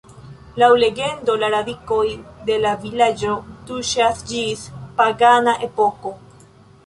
Laŭ legendo la radikoj de la vilaĝo tuŝas ĝis pagana epoko.